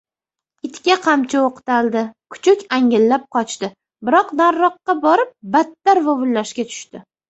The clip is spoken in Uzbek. Itga qamchi o‘qtaldi. Kuchuk angillab qochdi. Biroq nariroqqa borib battar vovillashga tushdi.